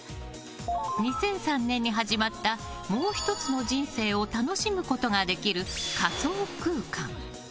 ２００３年に始まったもう１つの人生を楽しむことができる仮想空間。